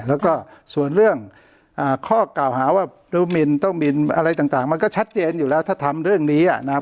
แล้วก็ส่วนเรื่องข้อเข้าศึกษาว่าดูมิลต้มิลอะไรต่างมันก็ชัดเจนอยู่แล้วถ้าทำเรื่องนี้อะนะฮะ